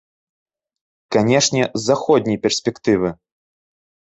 Канечне, з заходняй перспектывы.